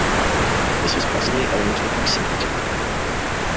This was possibly owing to their proximity to the club.